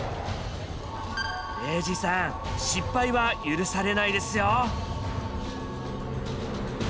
礼二さん失敗は許されないですよ。